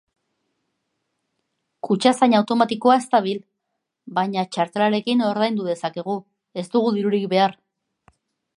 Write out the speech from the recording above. Kutxazain automatikoa ez dabil, baina txartelarekin ordaindu dezakegu, ez dugu dirurik behar.